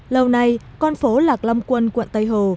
lâu nay con phố lạc long quân quận tây hồ